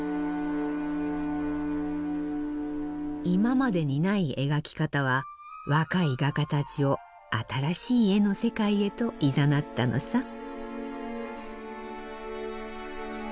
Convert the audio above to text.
今までにない描き方は若い画家たちを新しい絵の世界へといざなったのさ。